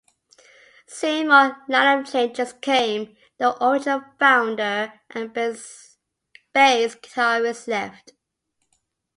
Soon more line-up changes came, the original founder and bass guitarist left.